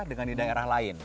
dengan di daerah lain